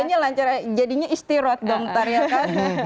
makanya lancar jadinya istirahat dong ntar ya kan